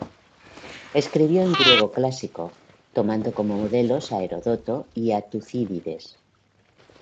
Escribió en griego clásico, tomando como modelos a Heródoto y a Tucídides.